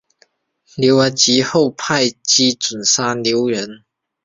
刘粲及后就派靳准杀死刘乂。